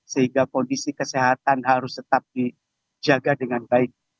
sehingga kondisi kesehatan harus tetap dijaga dengan baik